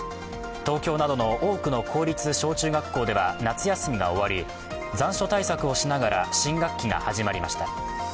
東京などの多くの公立小中学校では夏休みが終わり、残暑対策をしながら新学期が始まりました。